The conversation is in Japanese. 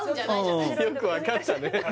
よく分かったね